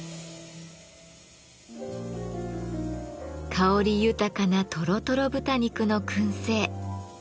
香り豊かなとろとろ豚肉の燻製。